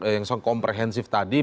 yang komprehensif tadi